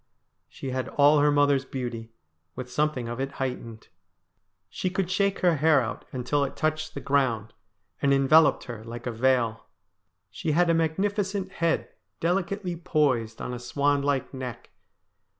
She had all her mother's beauty, with something of it heightened. She could shake her hair out until it touched the ground, and enveloped her like a veil. She had a magnificent head delicately poised on a swan like neck.